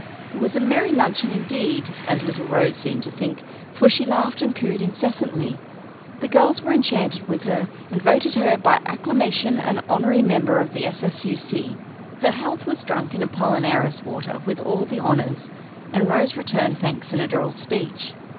It was a merry luncheon indeed, as little Rose seemed to think, for she laughed and cooed incessantly. The girls were enchanted with her, and voted her by acclamation an honorary member of the S.S.U.C. Her health was drunk in Apollinaris water with all the honors, and Rose returned thanks in a droll speech.